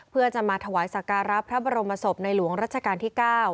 เพื่อจะมาถวายสักการะพระบรมศพในหลวงรัชกาลที่๙